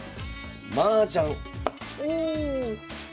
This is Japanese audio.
おおマージャン。